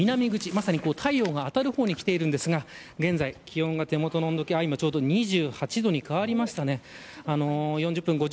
まさに太陽が当たる方に来ていますが、現在気温が手元の温度計ちょうど２８度に変わりました。